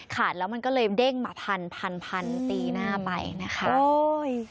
แล้วมันก็เลยเด้งมาพันพันพันตีหน้าไปนะคะโอ้ย